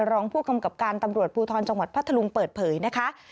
รองผู้กำกับการตำรวจภูทรจังหวัดพัทธลุงเปิดเผยนะคะ